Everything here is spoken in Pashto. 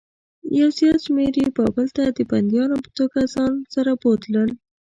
یو زیات شمېر یې بابل ته د بندیانو په توګه ځان سره بوتلل.